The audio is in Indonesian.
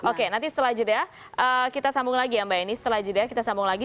oke nanti setelah jeda kita sambung lagi ya mbak eni setelah jeda kita sambung lagi